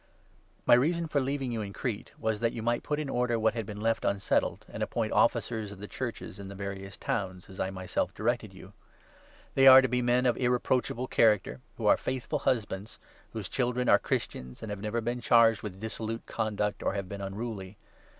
My reason for leaving you in Crete was that 5 Th» you might put in order what had been left un *pp°i"tm«»"t settled, and appoint Officers of the Church in the or Ottlcors . T in _«• i j »T>I y orth« church, various towns, as I myself directed you. They 6 are to be men of irreproachable character, who are faithful husbands, whose children are Christians and have never been charged with dissolute conduct or have been unruly.